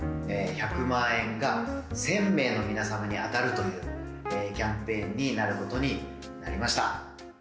１００万円が１，０００名の皆様に当たるというキャンペーンになることになりました。